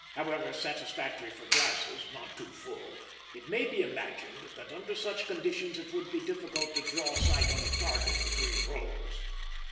However satisfactory for glasses not too full it may be imagined that under such conditions it would be difficult to draw sight on a target between rolls.